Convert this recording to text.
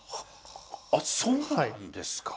あそうなんですか。